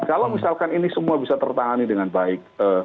kalau misalkan ini semua bisa tertangani dengan baik